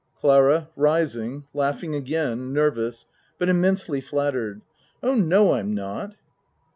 CLARA (Rising, laughing again nervous but immensely flattered.) Oh, no, I'm not.